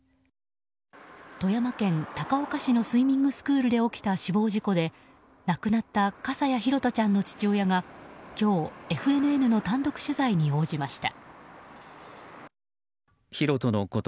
富山県高岡市のスイミングスクールで起きた死亡事故で亡くなった笠谷拓杜ちゃんの父親が今日、ＦＮＮの単独取材に応じました。